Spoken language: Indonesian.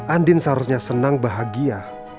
andi seharusnya senang bahagia